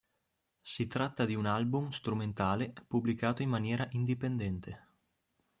Si tratta di un album strumentale pubblicato in maniera indipendente.